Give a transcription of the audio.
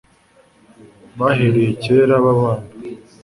bahereye kera babana